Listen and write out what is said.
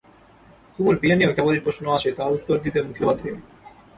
কুমুর বিয়ে নিয়েও কেবলই প্রশ্ন আসে, তার উত্তর দিতে মুখে বাধে।